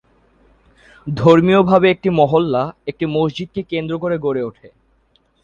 ধর্মীয়ভাবে একটি মহল্লা একটি মসজিদকে কেন্দ্র করে গড়ে উঠে।